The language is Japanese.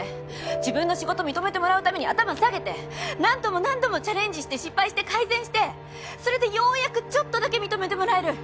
自分の仕事認めてもらうために頭下げて何度も何度もチャレンジして失敗して改善してそれでようやくちょっとだけ認めてもらえる。